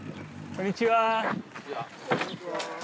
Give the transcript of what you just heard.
こんにちは。